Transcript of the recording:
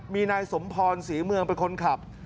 มีนายสมพรศรีเมืองเป็นคนขับ